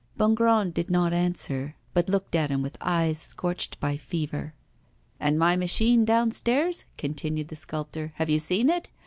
Bongrand did not answer, but looked at him with eyes scorched by fever. 'And my machine downstairs?' continued the sculptor. 'Have you seen it?